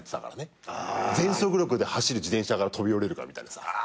全速力で走る自転車から飛び降りるみたいな。